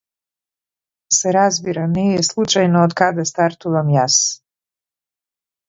Се разбира, не е случајно од каде стартувам јас.